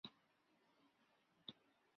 真定人。